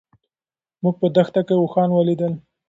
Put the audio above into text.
موږ په دښته کې اوښان ولیدل.